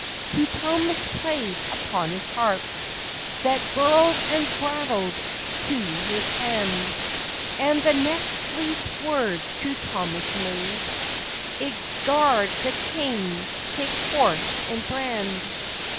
True Thomas played upon his harp, That birled and brattled to his hand, And the next least word True Thomas made, It garred the King take horse and brand.